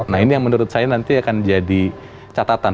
nah ini yang menurut saya nanti akan jadi catatan